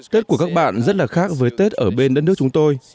tết của các bạn rất là khác với tết ở bên đất nước chúng tôi